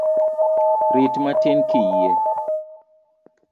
Rit matin kiyie.